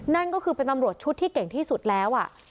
นั่นก็คือเป็นตำรวจชุดที่เก่งที่สุดแล้ว